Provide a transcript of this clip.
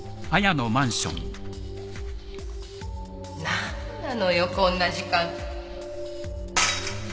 何なのよこんな時間